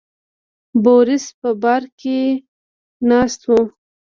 بوریس په بار کې ناست و.